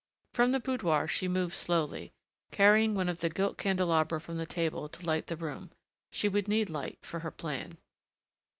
From the boudoir she moved slowly, carrying one of the gilt candelabra from the table to light the room. She would need light for her plan....